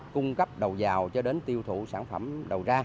cung cấp đầu giàu cho đến tiêu thụ sản phẩm đầu ra